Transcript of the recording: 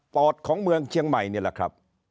ปอดของเมืองเชียงใหม่นี่แหละครับ